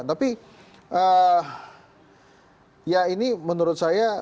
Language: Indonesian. tapi ya ini menurut saya